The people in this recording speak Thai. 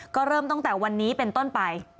ก็เริ่มตั้งแต่วันนี้เป็นต้นไป